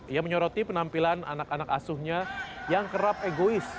ia menyoroti penampilan anak anak asuhnya yang kerap egois